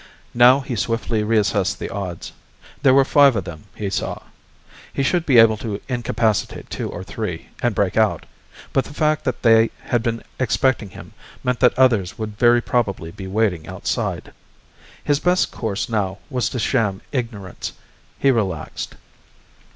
Now he swiftly reassessed the odds. There were five of them, he saw. He should be able to incapacitate two or three and break out. But the fact that they had been expecting him meant that others would very probably be waiting outside. His best course now was to sham ignorance. He relaxed.